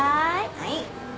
はい。